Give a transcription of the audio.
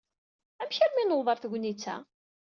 Amek armi newweḍ ɣer tegnit-a?